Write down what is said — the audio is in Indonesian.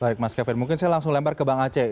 baik mas kevin mungkin saya langsung lempar ke bang aceh